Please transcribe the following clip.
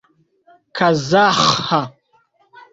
kazaĥa